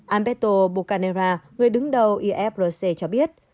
alberto bucanera người đứng đầu ifrc cho biết